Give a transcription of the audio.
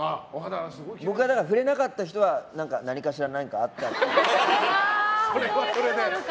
僕が触れなかった人は何かしら何かあったということで。